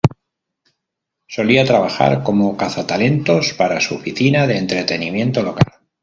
Solía trabajar como cazatalentos para su oficina de entretenimiento local.